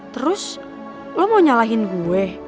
terus lo mau nyalahin gue